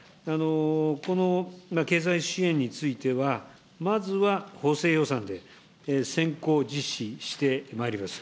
この経済支援については、まずは補正予算で先行実施してまいります。